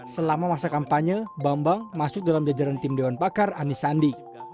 selama masa kampanye bambang masuk dalam jajaran tim dewan pakar anisandi